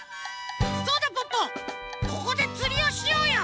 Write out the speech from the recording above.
そうだポッポここでつりをしようよ！